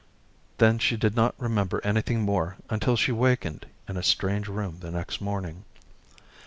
Then she did not remember anything more until she wakened in a strange room the next morning.